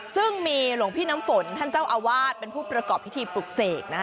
ซึ่งมีหลวงพี่น้ำฝนท่านเจ้าอาวาสเป็นผู้ประกอบพิธีปลุกเสกนะคะ